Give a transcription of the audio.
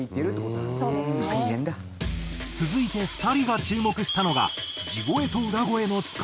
続いて２人が注目したのが。